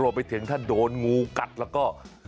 ไปถึงถ้าโดนงูกัดแล้วก็